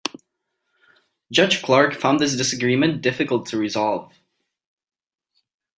Judge Clark found this disagreement difficult to resolve.